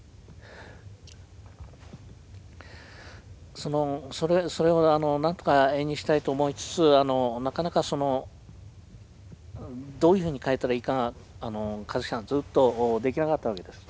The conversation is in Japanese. そのそれをなんとか絵にしたいと思いつつなかなかそのどういうふうに描いたらいいかが香月さんずっとできなかったわけです。